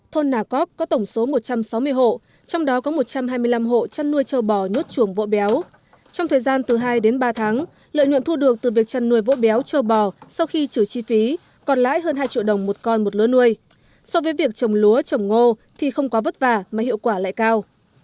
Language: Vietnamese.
thôn nà cóc có tổng số một trăm sáu mươi hộ trong đó có một trăm hai mươi năm hộ chăn nuôi châu bò nhốt chuồng vỗ béo trong thời gian từ hai đến ba tháng lợi nhuận thu được từ việc chăn nuôi vỗ béo trâu bò sau khi trừ chi phí còn lãi hơn hai triệu đồng một con một lúa nuôi so với việc trồng lúa trồng ngô thì không quá vất vả mà hiệu quả lại cao